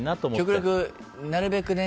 極力、なるべくね